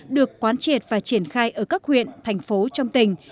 được quán triệt và triển khai ở các huyện thành phố trong tỉnh